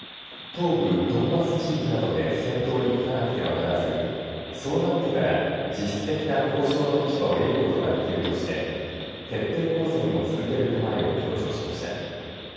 東部ドンバス地域などで戦闘に勝たなくてはならずそうなってから実質的な交渉の立場を得ることができるとして徹底抗戦を続ける構えを強調しました。